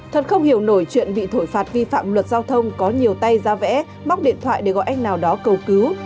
thật không hiểu nổi chuyện bị thổi phạt vi phạm luật giao thông có nhiều tay ra vẽ móc điện thoại để gọi anh nào đó cầu cứu